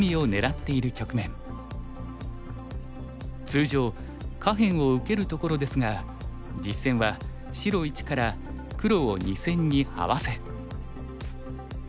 通常下辺を受けるところですが実戦は白１から黒を２線にハワせ。